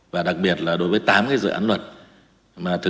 và đặc biệt là đối với tài liệu